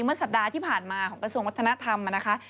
เมื่อสัปดาห์ที่ผ่านมาของประสูงมัธนธรรมนะครับ